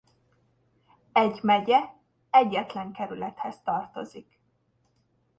Egy megye egyetlen kerülethez tartozik.